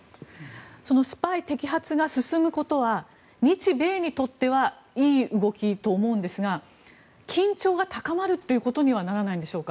スパイ摘発が進むことは日米にとってはいい動きと思うんですが緊張が高まるということにはならないんでしょうか。